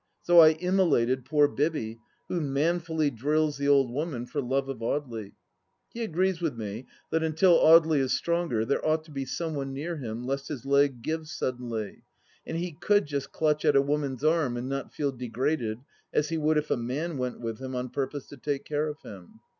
So I immo lated poor Bibby, who manfully drills the old woman for love of Audely. He agrees with me that until Audely is stronger there ought to be some one near him lest his leg gives suddenly, and he could just clutch at a woman's arm and not feel degraded, as he would if a man went with him on purpose to take care of him.